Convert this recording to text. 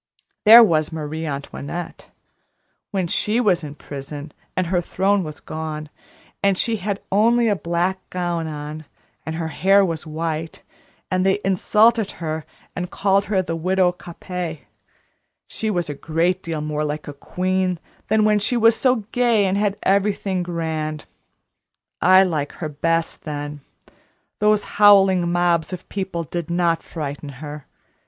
There was Marie Antoinette; when she was in prison, and her throne was gone, and she had only a black gown on, and her hair was white, and they insulted her and called her the Widow Capet, she was a great deal more like a queen then than when she was so gay and had everything grand. I like her best then. Those howling mobs of people did not frighten her.